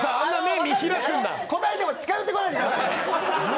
答えても近寄ってこないでください。